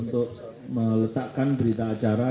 untuk meletakkan berita acara